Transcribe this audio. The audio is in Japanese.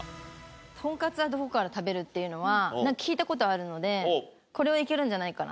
トンカツはどこから食べるっていうのは聞いた事はあるのでこれはいけるんじゃないかな。